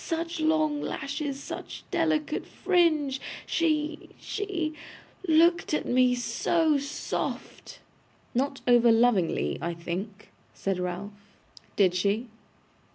Such long lashes, such delicate fringe! She she looked at me so soft.' 'Not over lovingly, I think,' said Ralph. 'Did she?